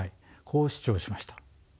こう主張しました。